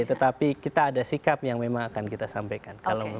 tetapi kita ada sikap yang memang akan kita sampaikan